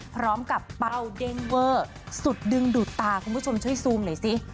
เป้าเด้งเวอร์สุดดึงดูดตาคุณผู้ชมช่วยซูมหน่อยสิ